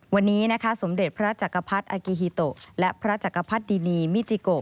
วันนี้นะคะสมเด็จพระจักรพรรดิอากิฮิโตและพระจักรพรรดินีมิจิโก